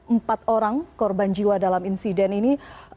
empat orang korban jiwa dalam insiden ini